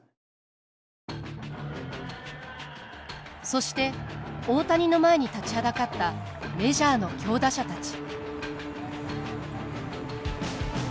そして大谷の前に立ちはだかったメジャーの強打者たち。